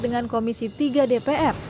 dengan komisi tiga dpr